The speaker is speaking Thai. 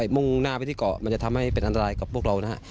มุ่งหน้าไปที่เกาะมันจะทำให้เป็นอันตรายกับพวกเรานะฮะ